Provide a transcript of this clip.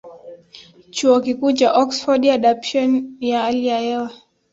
Chuo Kikuu cha Oxford Adaptation ya Hali ya Hewa